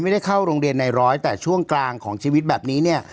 ไม่ได้เข้าโรงเรียนในร้อยแต่ช่วงกลางของชีวิตแบบนี้